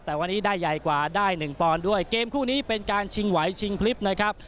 แต่วันนี้ได้ใหญ่กว่าได้หนึ่งปอนด์ด้วยเกมคู่นี้เป็นการชิงไหวชิงพลิบนะครับ